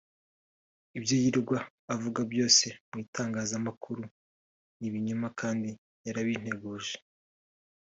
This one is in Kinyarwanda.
ibyo yirirwa avuga byose mu itangazamakuru ni ibinyoma kandi yarabinteguje